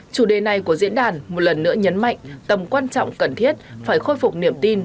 chủ đề này của diễn đàn một lần nữa nhấn mạnh tầm quan trọng cần thiết phải khôi phục niềm tin